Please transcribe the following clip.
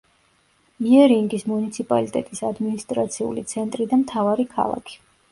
იერინგის მუნიციპალიტეტის ადმინისტრაციული ცენტრი და მთავარი ქალაქი.